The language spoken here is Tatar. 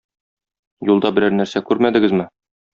Юлда берәр нәрсә күрмәдегезме?